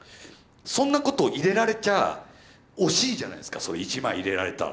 そんなことを入れられちゃあ惜しいじゃないですかそれ１枚入れられたら。